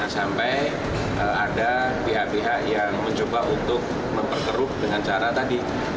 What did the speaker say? sampai ada pihak pihak yang mencoba untuk memperkeruh dengan cara tadi